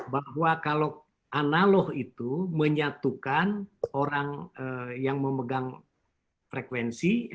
bahwa kalau analog itu menyatukan orang yang memegang frekuensi